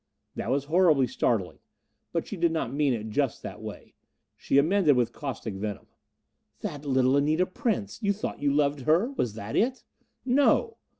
That was horribly startling; but she did not mean it just that way. She amended with caustic venom: "That little Anita Prince! You thought you loved her! Was that it?" "No!"